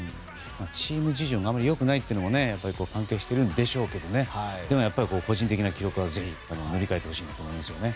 チーム事情があまり良くないというのも関係しているんでしょうけどでも、個人的な記録はぜひ、塗り替えてほしいなと思いますね。